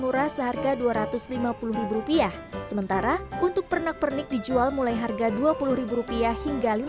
murah seharga dua ratus lima puluh rupiah sementara untuk pernak pernik dijual mulai harga dua puluh rupiah hingga